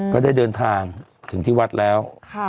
ก็ได้เดินทางถึงที่วัดแล้ว